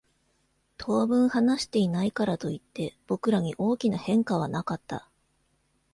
当分話していないからといって、僕らに大きな変化はなかった。